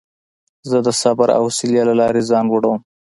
زه د صبر او حوصلې له لارې ځان لوړوم.